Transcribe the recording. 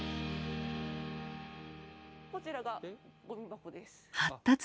こちらがごみ箱です。